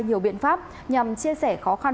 nhiều biện pháp nhằm chia sẻ khó khăn